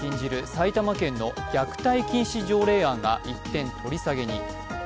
埼玉県の虐待禁止条例案が一転、取り下げに。